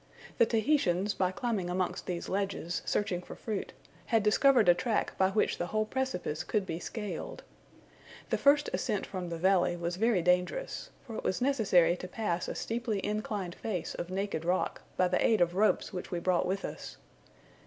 The Tahitians, by climbing amongst these ledges, searching for fruit, had discovered a track by which the whole precipice could be scaled. The first ascent from the valley was very dangerous; for it was necessary to pass a steeply inclined face of naked rock, by the aid of ropes which we brought with us.